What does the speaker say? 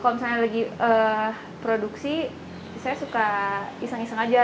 kalau misalnya lagi produksi saya suka iseng iseng aja